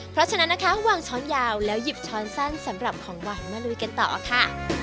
เพราะฉะนั้นนะคะวางช้อนยาวแล้วหยิบช้อนสั้นสำหรับของหวานมาลุยกันต่อค่ะ